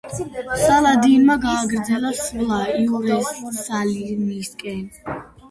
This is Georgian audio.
სალადინმა გააგრძელა სვლა იერუსალიმისკენ.